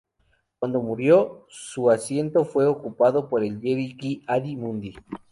Cuando murió, su asiento fue ocupado por el Jedi Ki-Adi-Mundi.